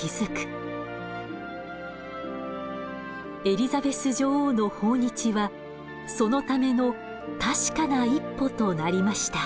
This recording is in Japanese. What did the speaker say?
エリザベス女王の訪日はそのための確かな一歩となりました。